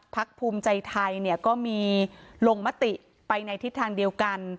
ภูมิใจไทยเนี่ยก็มีลงมติไปในทิศทางเดียวกัน